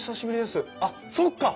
あっそっか！